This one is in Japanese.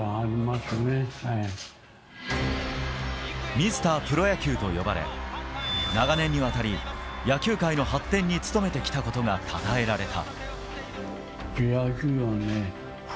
ミスタープロ野球と呼ばれ長年にわたり野球界の発展に努めてきたことがたたえられた。